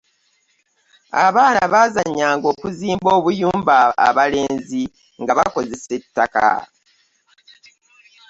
abaana bbazanyanga okuzimba obuyumba abalemzi nga bbakozesa ettaka